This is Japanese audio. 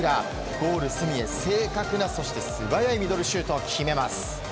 ゴール隅へ正確な、そして素早いミドルシュートを決めます。